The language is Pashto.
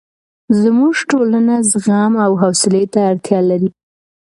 زموږ ټولنه زغم او حوصلې ته اړتیا لري.